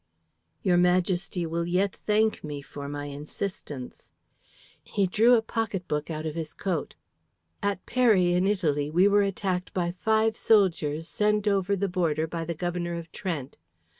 "Your Majesty will yet thank me for my insistence." He drew a pocket book out of his coat. "At Peri in Italy we were attacked by five soldiers sent over the border by the Governor of Trent.